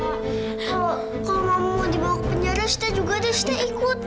pak kalau mama mau dibawa ke penjara saya juga ada saya ikut